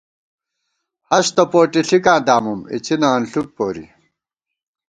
ہستہ پوٹے ݪِکاں دامُوم اِڅِنہ انݪُک پورِی